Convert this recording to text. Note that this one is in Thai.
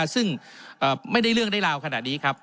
ซึ่งไม่ได้เรื่องได้ราวขนาดนี้ครับ